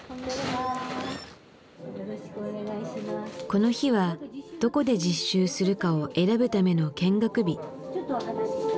この日はどこで実習するかを選ぶための見学日。